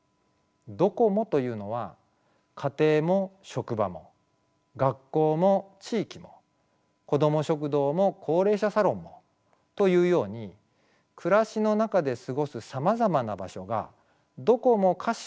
「どこも」というのは家庭も職場も学校も地域もこども食堂も高齢者サロンもというように暮らしの中で過ごすさまざまな場所がどこもかしこも居場所になる状態です。